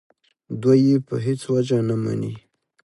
دوی یې په هېڅ وجه نه مني.